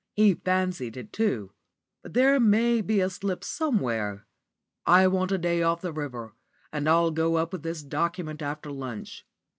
He fancied it too. But there may be a slip somewhere. I want a day off the river, and I'll go up with this document after lunch.